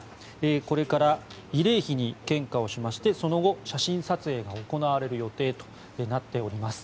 これから慰霊碑に献花をしましてその後、写真撮影が行われる予定となっております。